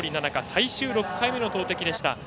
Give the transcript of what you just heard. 最終６回目の投てきでした。